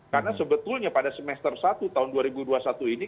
karena sebetulnya pada semester satu tahun dua ribu dua puluh satu ini